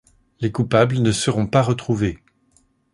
Les coupables ne seront pas retrouvés.